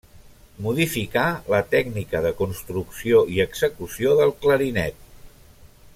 Modificà la tècnica de construcció i execució del clarinet.